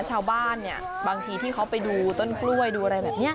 ชาวบ้านเนี่ยบางทีที่เขาไปดูต้นกล้วยดูอะไรแบบนี้